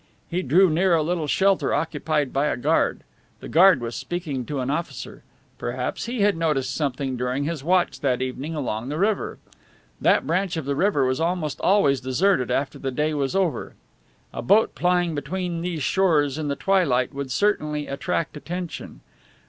He drew near a little shelter occupied by a guard. The guard was speaking to an officer. Perhaps he had noticed something during his watch that evening along the river. That branch of the river was almost always deserted after the day was over. A boat plying between these shores in the twilight would certainly attract attention.